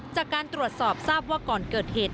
จากการตรวจสอบทราบว่าก่อนเกิดเหตุ